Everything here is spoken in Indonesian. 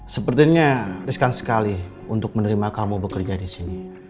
sepertinya riskan sekali untuk menerima kamu bekerja di sini